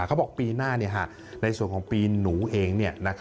เขาบอกปีหน้าในส่วนของปีหนูเอง